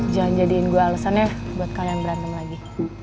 jangan jadiin gua alesan ya buat kalian berantem lagi